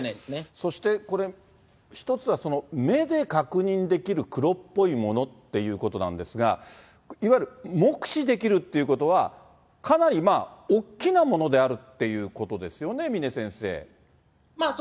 そしてこれ、一つは目で確認できる黒っぽいものっていうことなんですが、いわゆる目視できるっていうことは、かなり大きなものであるってことですよね、峰先生。